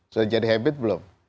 sudah jadi habit belum